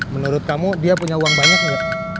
menurut kamu dia punya uang banyak nggak